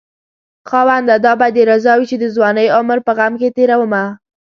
خاونده دا به دې رضا وي چې د ځوانۍ عمر په غم کې تېرومه